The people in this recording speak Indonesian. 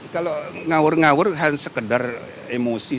kalau ngawur ngawur hanya sekedar emosi